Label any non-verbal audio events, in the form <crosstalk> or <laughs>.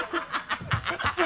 ハハハ <laughs>